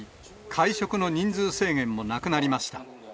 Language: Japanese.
会食の人数制限もなくなりました。